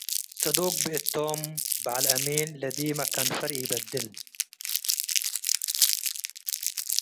ጽዱቅ ብእቶም በዐል አሚን - ለዲመ ከንፈር ኢበድል